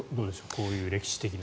こういう歴史的な。